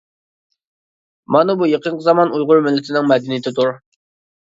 مانا بۇ يېقىنقى زامان ئۇيغۇر مىللىتىنىڭ مەدەنىيىتىدۇر.